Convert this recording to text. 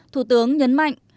thủ tướng nhấn mạnh